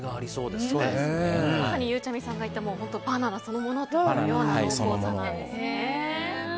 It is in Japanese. まさにゆうちゃみさんが言ったバナナそのものというような濃厚さなんですね。